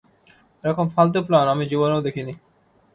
এরকম ফালতু প্ল্যান আমি জীবনেও দেখিনি!